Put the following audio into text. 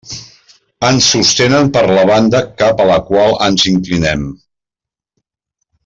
Ens sostenen per la banda cap a la qual ens inclinem.